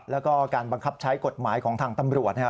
แล้วก็การบังคับใช้กฎหมายของทางตำรวจเนี่ย